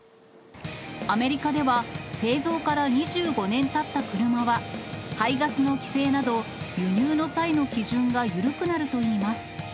アメリカでは製造から２５年たった車は、排ガスの規制など、輸入の際の基準が緩くなるといいます。